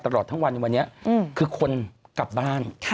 ตลอดทั้งวันคือคนกลับบ้าน